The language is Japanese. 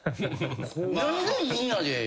何でみんなで。